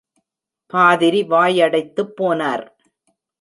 பாதிரி வாயடைத்துப் போனார்.